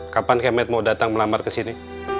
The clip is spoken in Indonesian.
kapan kemet mau datang melamar kesini